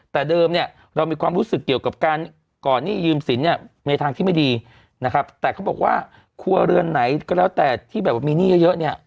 แต่เดิมเนี่ยเรามีความรู้สึกเกี่ยวกับการก่อนหนี้ยืมสินเนี่ยในทางที่ไม่ดีนะครับแต่เขาบอกว่าครัวเรือนไหนก็แล้วแต่ที่แบบว่ามีหนี้เยอะเนี่ย